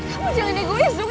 kamu jangan egois dong